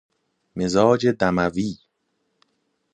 مزاج دموی